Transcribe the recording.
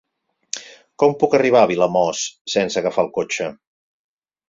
Com puc arribar a Vilamòs sense agafar el cotxe?